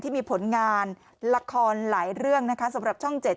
ที่มีผลงานละครหลายเรื่องนะคะสำหรับช่อง๗